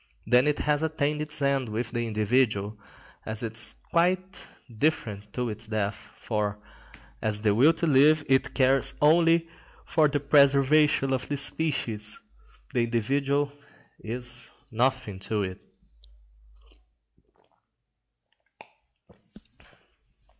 Then it has attained its end with the individual, and is quite indifferent to its death, for, as the will to live, it cares only for the preservation of the species, the individual is nothing to it.